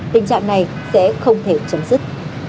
tình trạng này sẽ không thể chấm dứt